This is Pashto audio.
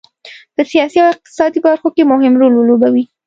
په سیاسي او اقتصادي برخو کې مهم رول ولوبوي.